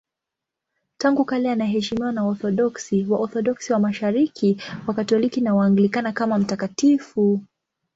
Tangu kale anaheshimiwa na Waorthodoksi, Waorthodoksi wa Mashariki, Wakatoliki na Waanglikana kama mtakatifu.